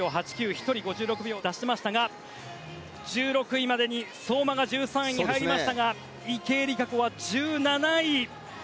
１人、５６秒を出しましたが１６位までに相馬が１３位に入りましたが池江璃花子は１７位。